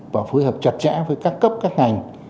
và phối hợp chặt chẽ với các cấp các ngành